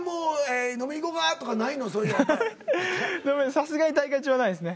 さすがに大会中はないですね。